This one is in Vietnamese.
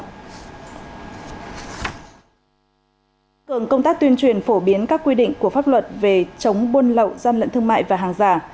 công tác tuyên truyền phổ biến các quy định của pháp luật về chống buôn lậu gian lận thương mại và hàng giả